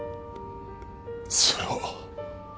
それは。